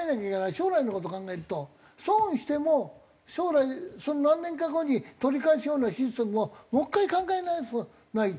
将来の事考えると損しても将来その何年か後に取り返すようなシステムをもう１回考え直しとかないと。